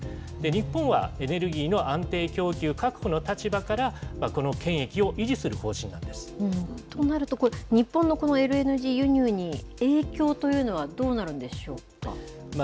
日本はエネルギーの安定供給確保の立場から、この権益を維持するとなるとこれ、日本のＬＮＧ輸入に影響というのは、どうなるんでしょうか。